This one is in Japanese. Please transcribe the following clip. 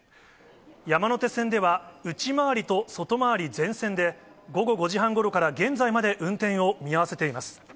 山手線では、内回りと外回り全線で、午後５時半ごろから現在まで運転を見合わせています。